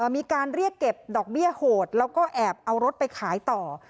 มีการเรียกเก็บดอกเบี้ยโหดแล้วก็แอบเอารถไปขายต่อ